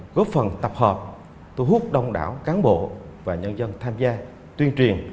góp phần tập hợp thu hút đông đảo cán bộ và nhân dân tham gia tuyên truyền